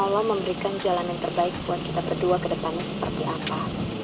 allah memberikan jalan yang terbaik buat kita berdua ke depannya seperti apa